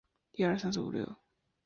塞尔涅博人口变化图示